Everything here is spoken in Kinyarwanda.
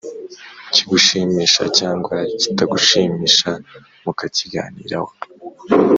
kigushimisha cyangwa kitagushimisha, mukakiganiraho,